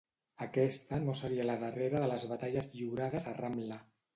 Aquesta no seria la darrera de les batalles lliurades a Ramla.